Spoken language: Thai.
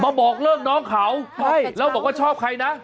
บอกเลิกน้องเขาใช่แล้วบอกว่าชอบใครนะ